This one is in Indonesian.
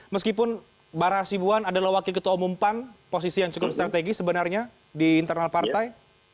meskipun barah asibuan adalah wakil ketua umum pan posisi yang cukup strategis sebenarnya di internal partai